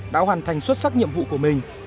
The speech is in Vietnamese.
đã hoàn thành xuất sắc nhiệm vụ của mình